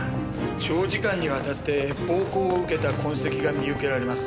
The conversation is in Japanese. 長時間にわたって暴行を受けた痕跡が見受けられます。